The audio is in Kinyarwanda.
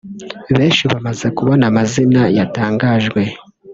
Benshi bamaze kubona amazina yatangajwe